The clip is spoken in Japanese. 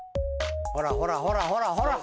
ほらほらほらほらほら。